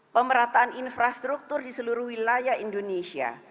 pemerataan infrastruktur di seluruh wilayah indonesia